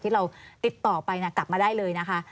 ที่เราติดต่อไปกลับมาได้เลยนะคะ